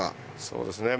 そうですね